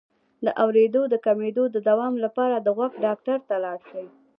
د اوریدو د کمیدو د دوام لپاره د غوږ ډاکټر ته لاړ شئ